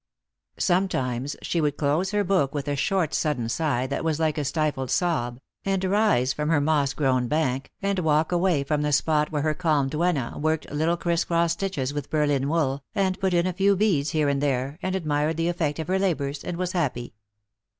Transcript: Sometimes she would close her boot with a short sudden sigh, that was tike a stifled sob, and rise from her moss grown bank, and walk away from the spot where her calm duenna worked tittle criss cross stitches with Berlin wool, and put in a few beads here and there, and admired the effect of her labours, and was happy.